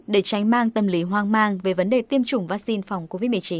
để tránh mang tâm lý hoang mang về vấn đề tiêm chủng vaccine phòng covid một mươi chín